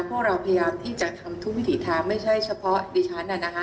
เพราะเราพยายามที่จะทำทุกวิถีทางไม่ใช่เฉพาะดิฉันน่ะนะคะ